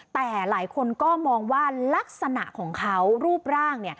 แต่หลายคนก็มองว่าลักษณะของเขารูปร่าง